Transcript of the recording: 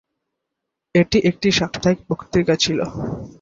এটি একটি সাপ্তাহিক পত্রিকা ছিল।